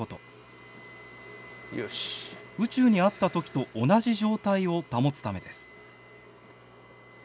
宇宙にあった時と同じ状態を保つためです。